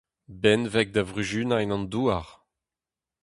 Benveg da vruzunañ an douar.